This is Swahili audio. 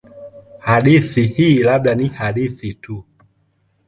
Hadithi hii labda ni hadithi tu.